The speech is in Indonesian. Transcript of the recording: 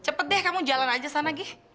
cepet deh kamu jalan aja sana gih